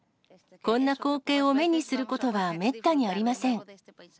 こんな光景を目にすることはめったにありません。